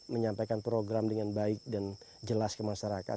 menyampaikan program dengan baik dan jelas ke masyarakat